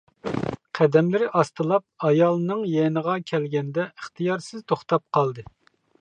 قەدەملىرى ئاستىلاپ، ئايالنىڭ يېنىغا كەلگەندە ئىختىيارسىز توختاپ قالدى.